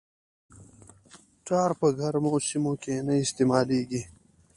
ټار په ګرمو سیمو کې نه استعمالیږي